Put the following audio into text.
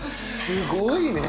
すごいね！